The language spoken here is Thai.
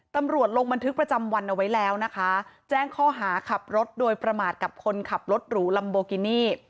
ตำรวจลงบันทึกประจำวันเอาไว้แล้วนะคะแจ้งข้อหาขับรถโดยประมาทกับคนขับรถหรูลัมโบกินี่